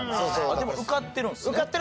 でも受かってるんすね